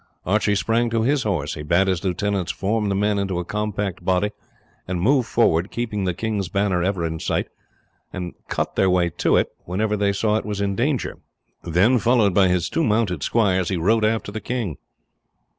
Archie sprang to his horse. He bade his lieutenants form the men into a compact body and move forward, keeping the king's banner ever in sight, and to cut their way to it whenever they saw it was in danger. Then, followed by his two mounted squires, he rode after the king.